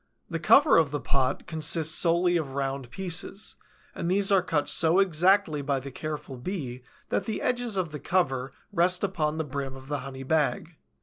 The cover of the pot consists solely of round pieces, and these are cut so exactly by the careful Bee that the edges of the cover rest upon the brim of the honey bag.